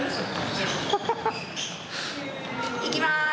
いきます。